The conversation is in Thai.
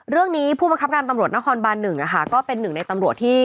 เรื่องนี้ผู้บังคับการตำรวจนครบันหนึ่งอะค่ะก็เป็นหนึ่งในตำรวจที่